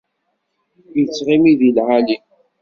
Ittɣimi di leɛli.